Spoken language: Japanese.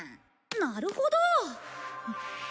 なるほど！